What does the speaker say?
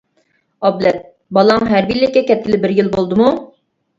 ئابلەت: بالاڭ ھەربىيلىككە كەتكىلى بىر يىل بولدىمۇ.